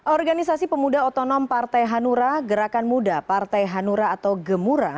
organisasi pemuda otonom partai hanura gerakan muda partai hanura atau gemura